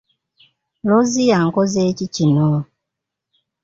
Looziyo onkoze ki kino?